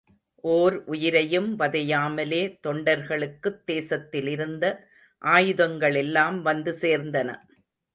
ஓர் உயிரையும் வதையாமலே தொண்டர்களுக்குத் தேசத்திலிருந்த ஆயுதங்களெல்லாம் வந்து சேர்ந்தன.